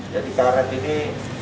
jadi karet ini